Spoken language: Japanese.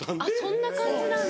そんな感じなんだ。